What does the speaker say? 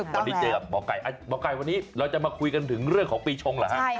วันนี้เจอกับหมอไก่หมอไก่วันนี้เราจะมาคุยกันถึงเรื่องของปีชงเหรอฮะ